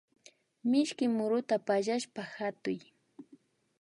Mishki muruta pallashpa hatuy